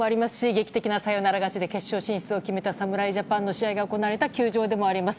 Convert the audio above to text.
劇的なサヨナラ勝ちで決勝進出を決めた侍ジャパンの試合が行われた球場でもあります。